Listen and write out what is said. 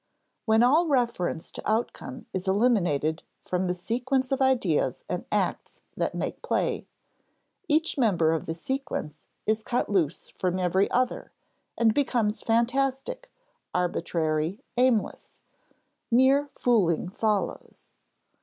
When all reference to outcome is eliminated from the sequence of ideas and acts that make play, each member of the sequence is cut loose from every other and becomes fantastic, arbitrary, aimless; mere fooling follows.